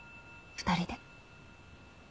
２人で。